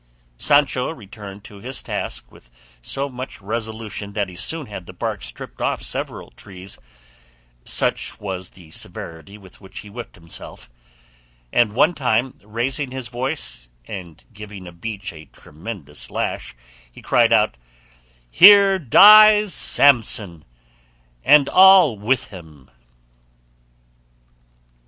Sancho returned to his task with so much resolution that he soon had the bark stripped off several trees, such was the severity with which he whipped himself; and one time, raising his voice, and giving a beech a tremendous lash, he cried out, "Here dies Samson, and all with him!"